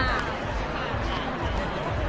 ไม่มีเลยครับ